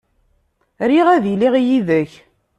Riɣ ad iliɣ yid-k.